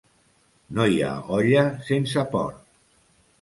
No hi ha olla sense porc.